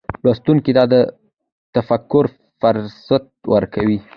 لوستونکي ته د تفکر فرصت ورکوي.